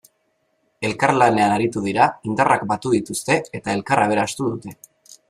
Elkarlanean aritu dira, indarrak batu dituzte eta elkar aberastu dute.